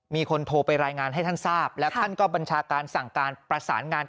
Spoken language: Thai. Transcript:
มีคนโทรไปรายงานให้ท่านทราบและท่านก็บัญชาการสั่งการประสานงาน